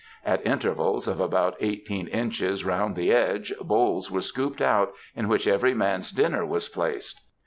At intervals of about eighteen inches round the edge bowls were scooped out in which every man^s dinner was placed.